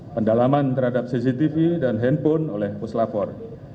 pendalaman terhadap cctv dan handphone oleh puslapor